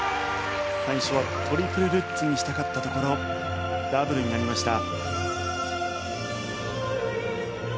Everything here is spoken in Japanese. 最初はトリプルルッツにしたかったところダブルになりました。